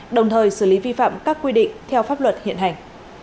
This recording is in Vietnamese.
đồng thời xử lý vi phạm các quy định theo pháp luật hiện hành